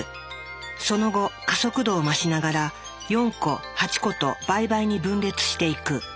その後加速度を増しながら４個８個と倍々に分裂していく。